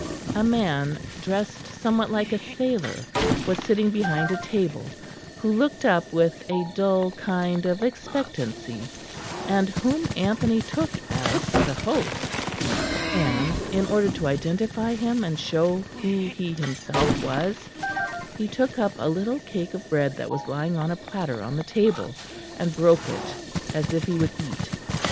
A man, dressed somewhat like a sailor, was sitting behind a table, who looked up with a dull kind of expectancy and whom Anthony took as the host; and, in order to identify him and show who he himself was, he took up a little cake of bread that was lying on a platter on the table, and broke it as if he would eat.